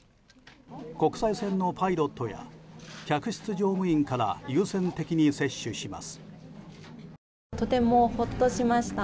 国際線のパイロットや客室乗務員から優先的に接種します。